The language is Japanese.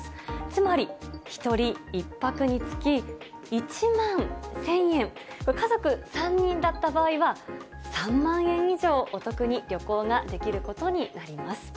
つまり１人１泊につき１万１０００円、家族３人だった場合は、３万円以上お得に旅行ができることになります。